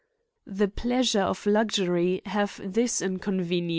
The pleasures of luxury have this inconveni.